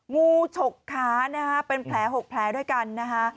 งูฉกขานะฮะเป็นแผล๖แผลด้วยกันนะคะ